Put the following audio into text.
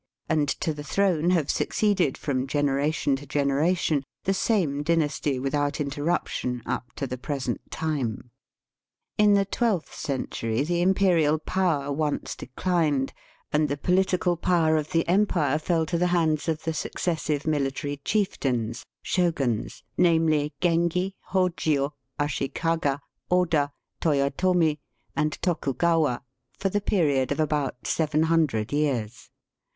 and to the throne have succeeded, from gene ration to generation, the same dynasty with out interruption up to the present time. In the twelfth century the imperial power Digitized by VjOOQIC THE NET^ EMPIBE IN THE WEST. 87 once declined, and the political power of the empire fell to the hands of the successive military chieftains (shoguns), namely, G engi, Hojio, Ashikaga, Oda, Toyotomi, and Toku gawa, for the period of about seven hundred years.